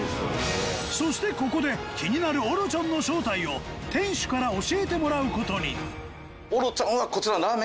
そしてここで気になるオロチョンの正体を店主から教えてもらう事に